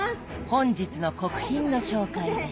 本日の国賓の紹介です。